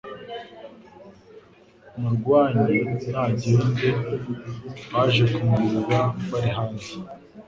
Murwanyi nagende baje kumureba bar hanze